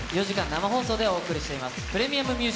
４時間生放送でお送りしています